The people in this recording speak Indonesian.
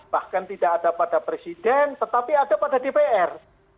bahkan tidak ada pada presiden tetapi ada pada dpr